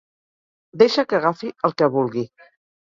Deixa que agafi el que vulgui.